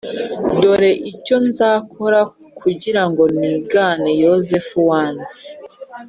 Dore icyo nzakora kugira ngo nigane yozefu wanze